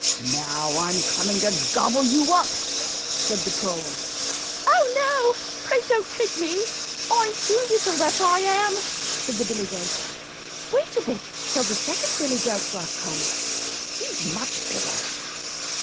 "Now, I'm coming to gobble you up," said the Troll. "Oh, no! pray don't take me. I'm too little, that I am," said the billy goat; "wait a bit till the second billy goat Gruff comes, he's much bigger."